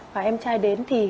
và em trai đến thì